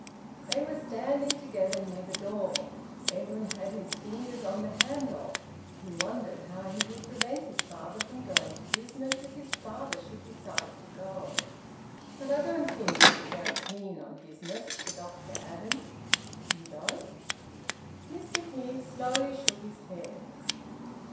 They were standing together near the door. Edwin had his fingers on the handle. He wondered how he would prevent his father from going to business, if his father should decide to go. "But I don't think he'll be very keen on business," the doctor added. "You don't?" Mr Heve slowly shook his head.